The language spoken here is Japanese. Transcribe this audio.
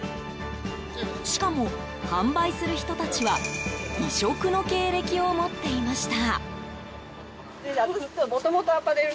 しかも、販売する人たちは異色の経歴を持っていました。